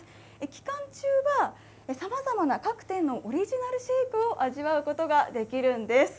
期間中はさまざまな各店のオリジナルシェイクを味わうことができるんです。